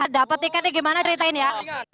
dapat tiketnya gimana ceritain ya